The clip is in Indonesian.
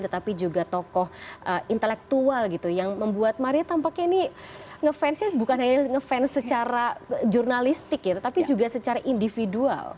tetapi juga tokoh intelektual gitu yang membuat maria tampaknya ini ngefansnya bukan hanya ngefans secara jurnalistik ya tetapi juga secara individual